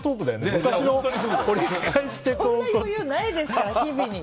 そんな余裕ないです、日々に。